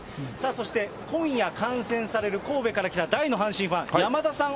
そして今夜観戦される、神戸から来た大の阪神ファン、やまださん